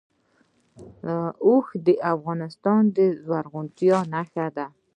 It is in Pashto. اوښ د افغانستان د زرغونتیا نښه ده.